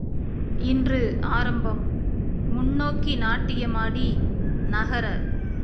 இன்று ஆரம்பம், முன்னோக்கி நாட்டியமாடி நகர.